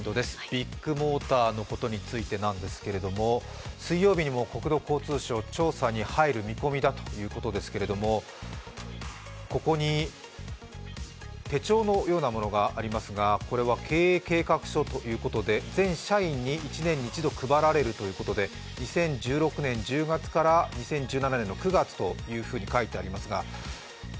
ビッグモーターのことについてなんですけども、水曜日にも国道交通省、調査に入る見込みということですがここに、手帳のようなものがありますがこれは経営計画書ということで全社員に１年に一度配られるということで２０１６年の１０月から、２０１７年９月と書いてあります。